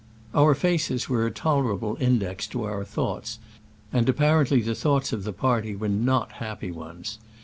Our faces were a tolerable index to our thoughts, and apparently the thoughts of the party were not happy ones.